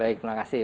baik terima kasih